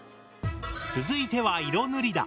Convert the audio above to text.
続いては色塗りだ。